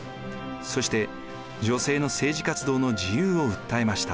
そして女性の政治活動の自由を訴えました。